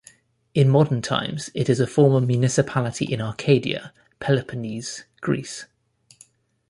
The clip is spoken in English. In modern times it is a former municipality in Arcadia, Peloponnese, Greece.